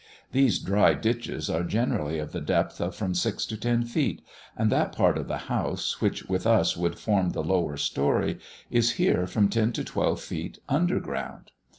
These dry ditches are generally of the depth of from six to ten feet, and that part of the house, which with us would form the lower story, is here from ten to twelve feet under ground.